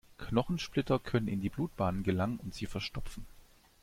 Knochensplitter können in die Blutbahnen gelangen und sie verstopfen.